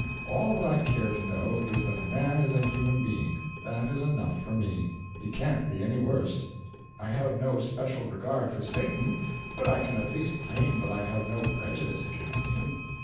All that I care to know is that a man is a human being that is enough for me; he can't be any worse. I have no special regard for Satan; but I can at least claim that I have no prejudice against him.